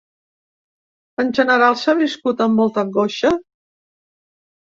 En general, s’ha viscut amb molta angoixa?